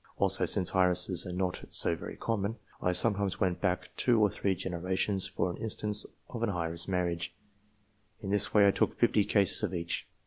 Also, since heiresses are not so very common, I sometimes went back two or three gene rations for an instance of an heiress marriage. In this way I took fifty cases of each.